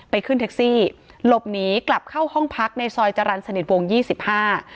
ขึ้นแท็กซี่หลบหนีกลับเข้าห้องพักในซอยจรรย์สนิทวงยี่สิบห้า